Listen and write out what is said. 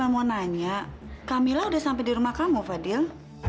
mau nanya kamila udah sampai di rumah kamu fadil